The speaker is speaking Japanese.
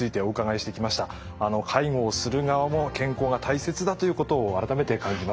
介護をする側も健康が大切だということを改めて感じます。